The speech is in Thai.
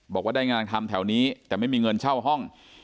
บอกว่าได้งานทำแถวนี้แต่ไม่มีเงินเช่าห้อง